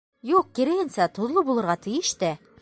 Юҡ, киреһенсә, тоҙло булырға тейеш тә.